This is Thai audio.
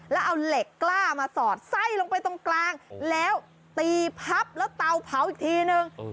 แล้วเอาเหล็กกล้ามาสอดไส้ลงไปตรงกลางแล้วตีพับแล้วเตาเผาอีกทีนึง